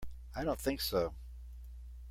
I don't think so.